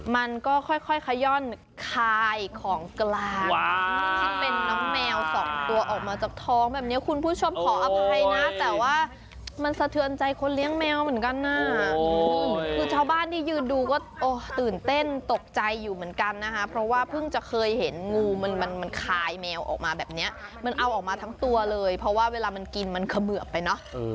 มันก็ค่อยขย่อนคายของกลางที่เป็นน้องแมวสองตัวออกมาจากท้องแบบนี้คุณผู้ชมขออภัยนะแต่ว่ามันสะเทือนใจคนเลี้ยงแมวเหมือนกันนะคือชาวบ้านที่ยืนดูก็ตื่นเต้นตกใจอยู่เหมือนกันนะคะเพราะว่าเพิ่งจะเคยเห็นงูมันมันคายแมวออกมาแบบนี้มันเอาออกมาทั้งตัวเลยเพราะว่าเวลามันกินมันเขมือบไปเนอะ